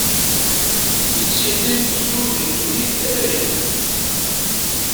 Yettidir deg yiwet n ddunit d taberkant.